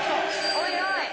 おいおい！